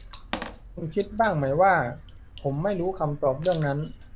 คุณคิดบ้างไหมว่าผมไม่รู้คำตอบเรื่องนั้น